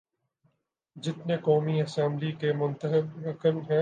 جتنے قومی اسمبلی کے منتخب رکن ہیں۔